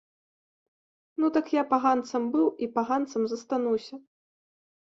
Ну так я паганцам быў і паганцам застануся!